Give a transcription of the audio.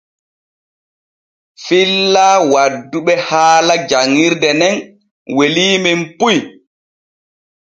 Filla wadduɓe haala janŋirde nen weliimen puy.